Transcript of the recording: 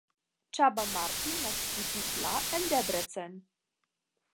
Csaba Martin naskiĝis la en Debrecen.